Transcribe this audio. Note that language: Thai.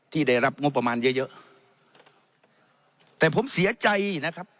ที่ได้รับงบประมาณเยอะเยอะแต่ผมเสียใจนะครับ